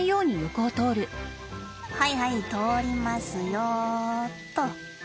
「はいはい通りますよ」っと。